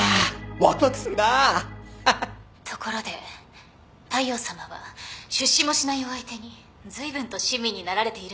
ところで大陽さまは出資もしないお相手にずいぶんと親身になられているんですね。